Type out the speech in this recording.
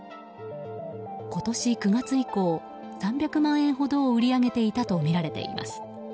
今年９月以降、３００万円ほどを売り上げていたとみられています。